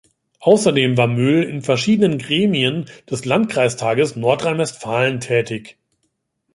Außerdem war Möhl in verschiedenen Gremien des Landkreistages Nordrhein-Westfalen tätig.